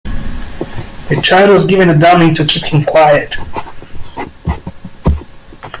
The child was given a dummy to keep him quiet